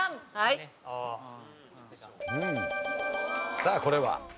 さあこれは？